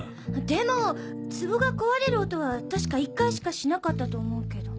でもツボが壊れる音は確か一回しかしなかったと思うけど。